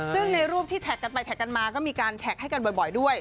ซึ่งในรูปที่แท็กกันไปแท็กกันมาก็มีการแท็กให้กันบ่อยด้วย